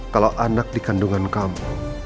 kalau anak di kandungan kamu